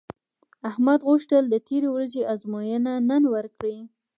احمد غوښتل د تېرې ورځې ازموینه نن ورکړي